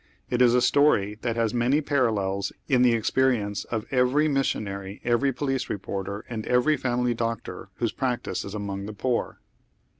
It is a atory tliat has many parallels in the experience of every missionarj', every police reporter and every family doctor whose practice ia among the poor.